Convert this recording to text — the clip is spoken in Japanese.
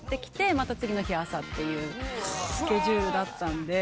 また次の日朝っていうスケジュールだったんで。